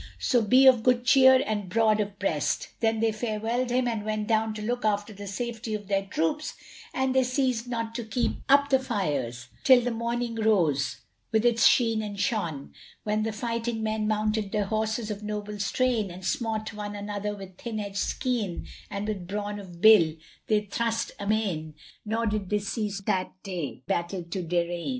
So be of good cheer and broad of breast." Then they farewelled him and went down to look after the safety of their troops; and they ceased not to keep up the fires till the morning rose with its sheen and shone, when the fighting men mounted their horses of noble strain and smote one another with thin edged skean and with brawn of bill they thrust amain nor did they cease that day battle to darraign.